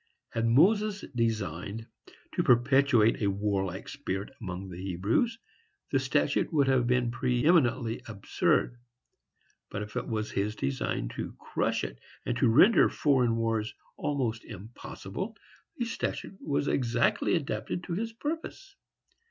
Had Moses designed to perpetuate a warlike spirit among the Hebrews, the statute would have been preëminently absurd; but, if it was his design to crush it, and to render foreign wars almost impossible, the statute was exactly adapted to his purpose.